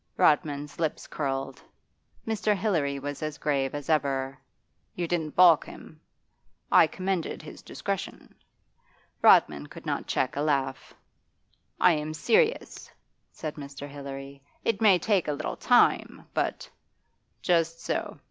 Rodman's lips curled; Mr. Hilary was as grave as ever. 'You didn't balk him?' 'I commended his discretion.' Rodman could not check a laugh. 'I am serious,' said Mr. Hilary. 'It may take a little time, but ' 'Just so.